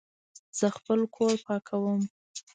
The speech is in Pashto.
زه خپل کور پاکوم